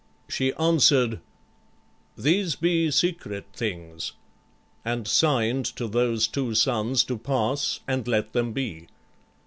She answer'd, "These be secret things," and sign'd To those two sons to pass and let them be.